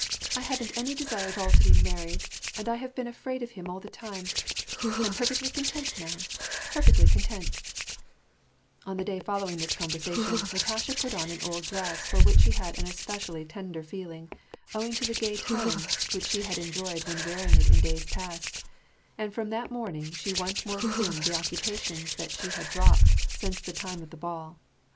229 '' I haven't any desire at all to be married ; and I have been afraid of him all the time : I'm perfectly content now, per fectly content/' On the day following this conversation, Natasha put on an old dress for which she had an especially tender feeling, owing to the gay times which she had enjoyed when wearing it in days past ; and from that morning she once more resumed the occupations that she had dropped since the time of the ball.